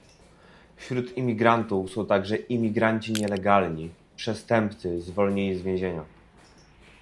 Wśród imigrantów są także imigranci nielegalni, przestępcy zwolnieni z więzienia